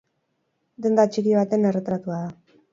Denda txiki baten erretratua da.